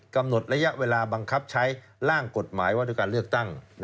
กำหนดระยะเวลาบังคับใช้ร่างกฎหมายว่าด้วยการเลือกตั้ง